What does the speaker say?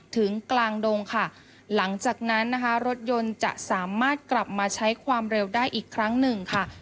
ถึงกลางดงค่ะหลังจากนั้นนะคะรถยนต์จะสามารถกลับมาใช้ความเร็วได้อีกครั้งหนึ่งค่ะ